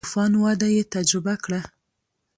تو فان وده یې تجربه کړه.